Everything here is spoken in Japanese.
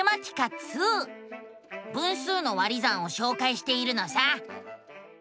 分数の「割り算」をしょうかいしているのさ。